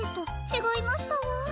ちがいましたわ。